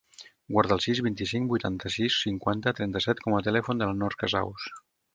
Guarda el sis, vint-i-cinc, vuitanta-sis, cinquanta, trenta-set com a telèfon de la Nor Casaus.